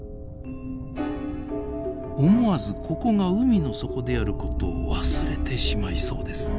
思わずここが海の底であることを忘れてしまいそうです。